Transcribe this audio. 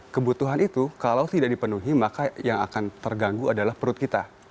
kebutuhan itu kalau tidak dipenuhi maka yang akan terganggu adalah perut kita